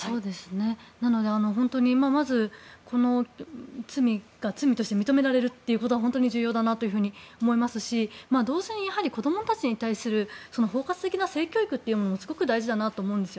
なので本当にまずこの罪が罪として認められるっていうことが本当に重要だと思いますし同時に子どもたちに対する包括的な性教育も大事だと思うんです。